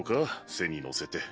背に乗せて。